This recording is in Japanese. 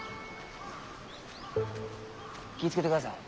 気ぃ付けてください。